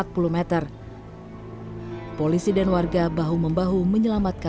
kondisinya gimana semua mas